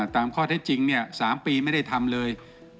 ตามข้อเท็จจริง๓ปีไม่ได้ทำเลย